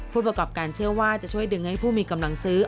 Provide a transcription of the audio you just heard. ผู้ประกอบการเชื่อว่าจะช่วยดึงให้ผู้มีกำลังซื้อ